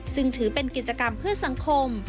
ซึ่งถือเป็นกิจกรรมเพื่อสังคม